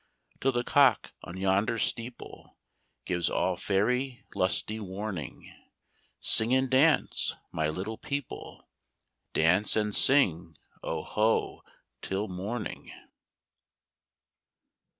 Till the cock on yonder steepleGives all faery lusty warning, Sing and dance, my little people,—Dance and sing "Oho" till morning!